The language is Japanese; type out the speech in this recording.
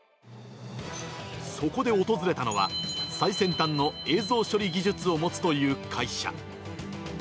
そこで訪れたのは、最先端の映像処理技術を持つという会社。